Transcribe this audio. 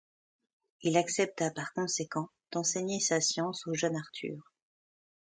Il accepta par conséquent d'enseigner sa science au jeune Arthur.